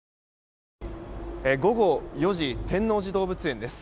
午後４時天王寺動物園です。